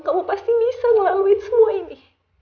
kamu pasti bisa ngelalui semua ini